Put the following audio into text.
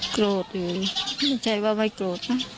โกรธอยู่ไม่ใช่ว่าไม่โกรธนะ